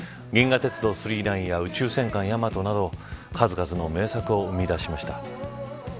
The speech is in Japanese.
銀河鉄道９９９や宇宙戦艦ヤマトなど数々の名作を生み出しました。